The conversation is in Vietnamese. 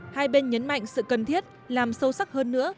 hai bên nhấn mạnh sự cần thiết làm sâu sắc hơn nữa